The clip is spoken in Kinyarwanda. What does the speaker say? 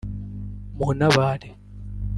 muntabare